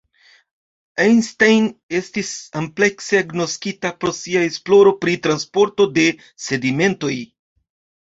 Einstein estis amplekse agnoskita pro sia esploroj pri transporto de sedimentoj.